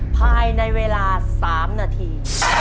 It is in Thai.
ภายในเวลา๓นาที